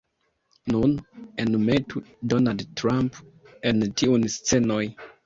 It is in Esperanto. Nun, enmetu Donald Trump en tiun scenon